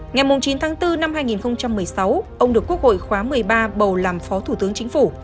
ngày chín tháng bốn năm hai nghìn một mươi sáu ông được quốc hội khóa một mươi ba bầu làm phó thủ tướng chính phủ